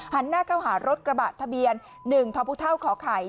หน้าเข้าหารถกระบะทะเบียน๑ทพขอไข่